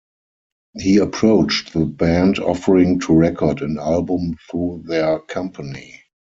He approached the band offering to record an album through their company.